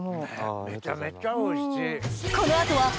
めちゃめちゃおいしい！